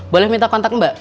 boleh minta kontak mbak